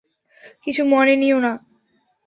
কিছু মনে নিও না।